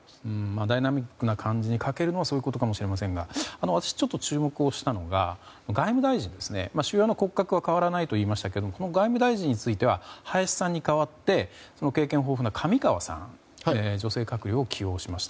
ダイナミックな感じに欠けるのはそういうことかもしれませんが私がちょっと注目したのは外務大臣、主要な骨格は変わりませんがこの外務大臣については林さんに代わって経験豊富な上川さん女性閣僚を起用しました。